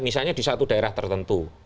misalnya di satu daerah tertentu